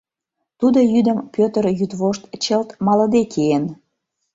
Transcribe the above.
Тудо йӱдым Пӧтыр йӱдвошт чылт малыде киен.